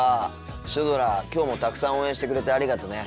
シュドラきょうもたくさん応援してくれてありがとね。